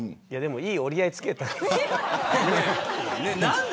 いい折り合いをつけたんで。